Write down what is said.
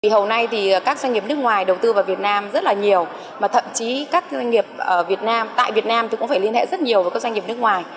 hầu nay thì các doanh nghiệp nước ngoài đầu tư vào việt nam rất là nhiều mà thậm chí các doanh nghiệp việt nam tại việt nam cũng phải liên hệ rất nhiều với các doanh nghiệp nước ngoài